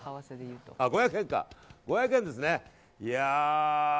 ５００円ですね。